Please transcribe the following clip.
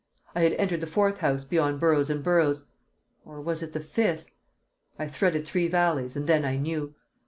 I had entered the fourth house beyond Burroughs and Burroughs's, or was it the fifth? I threaded three valleys, and then I knew.